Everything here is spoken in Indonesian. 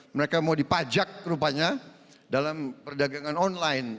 mereka mau dipajak rupanya dalam perdagangan online